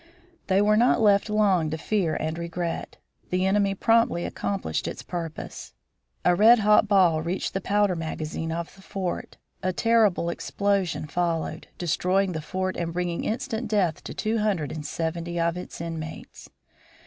They were not left long to fear and regret. The enemy promptly accomplished its purpose. A redhot ball reached the powder magazine of the fort. A terrible explosion followed, destroying the fort and bringing instant death to two hundred and seventy of its inmates.